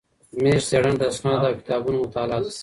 میز څېړنه د اسنادو او کتابونو مطالعه ده.